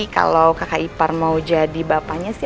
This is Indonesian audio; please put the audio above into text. kalau kakak ipar mau jadi bapaknya sih